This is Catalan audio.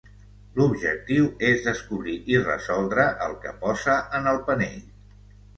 L'objectiu és descobrir i resoldre el que posa en el panell.